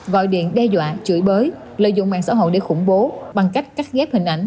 gọi điện đe dọa chửi bới lợi dụng mạng xã hội để khủng bố bằng cách cắt ghép hình ảnh